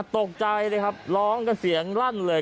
ตกใจเลยครับร้องกันเสียงลั่นเลย